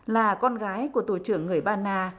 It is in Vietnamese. là con gái của tù trưởng người ba na